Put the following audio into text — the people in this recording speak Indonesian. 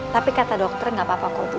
tapi kata dokter gak apa apa kok